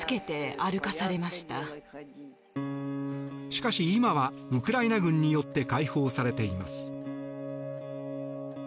しかし、今はウクライナ軍によって解放されています。